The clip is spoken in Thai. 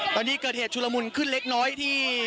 ตอนนี้เกิดเหตุชุลมุนขึ้นเล็กน้อยที่